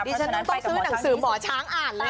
ดีฉะนั้นต้องซื้อหนังสือหมอช้างอ่านเลยอะคุณ